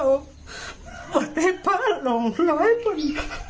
ว่าได้พระรองร้อยเป็น